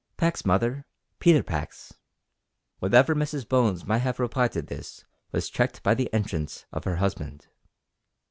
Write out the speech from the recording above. "Pax, mother; Peter Pax." Whatever Mrs Bones might have replied to this was checked by the entrance of her husband.